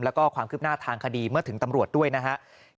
แล้วก็ความคืบหน้าทางคดีเมื่อถึงตำรวจด้วยนะครับ